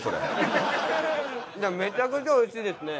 めちゃくちゃ美味しいですね。